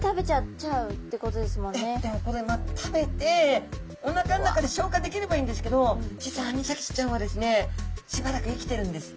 でもこれ食べておなかの中で消化できればいいんですけど実はアニサキスちゃんはですねしばらく生きてるんです。